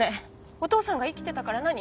お父さんが生きてたから何？